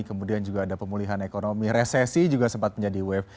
kemudian juga ada pemulihan ekonomi resesi juga sempat menjadi wave